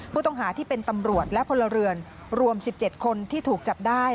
ผู้ต้องหาที่เป็นตำรวจและพลเรือนรวม๑๗คนที่ถูกจับได้